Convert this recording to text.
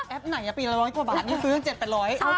แอปไหนปีละร้อยกว่าบาทนี่ซื้อยัง๗๘๐๐